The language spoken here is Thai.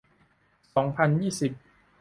สองพันยี่สิบ